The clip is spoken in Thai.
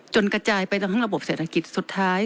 กระจายไปทั้งระบบเศรษฐกิจสุดท้าย